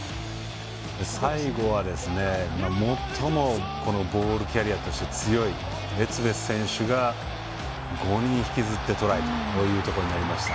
最後は最もボールキャリアーとして強いエツベス選手が５人引きずってトライとなりました。